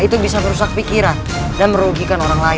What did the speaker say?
aku harus menyelamatkan kak nengsi